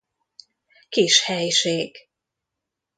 Kis helység.